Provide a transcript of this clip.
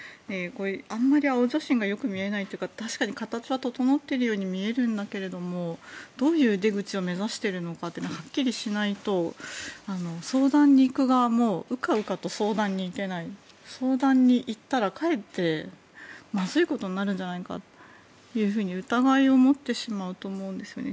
あまり青写真がよく見えないというか確かに形は整っているように見えるんだけどどういう出口を目指しているのかというのがはっきりしないと相談に行く側もうかうかと相談に行けない相談に行ったらかえって、まずいことになるんじゃないかって疑いを持ってしまうと思うんですよね。